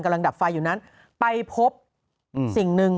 ดับไฟอยู่นั้นไปพบสิ่งหนึ่ง